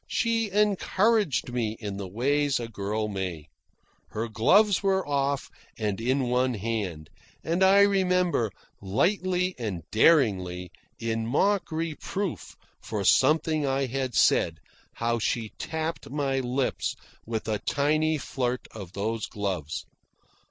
She encouraged me in the ways a girl may. Her gloves were off and in one hand, and I remember, lightly and daringly, in mock reproof for something I had said, how she tapped my lips with a tiny flirt of those gloves.